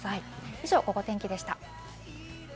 以上、ゴゴ天気でした。